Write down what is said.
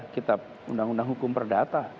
kitab undang undang hukum perdata